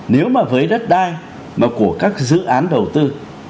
nếu mà với đất đai mà của các dự án đầu tư